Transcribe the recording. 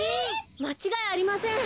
まちがいありません。